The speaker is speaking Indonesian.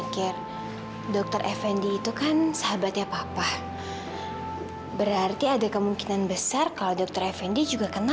terus mau ketemunya dimana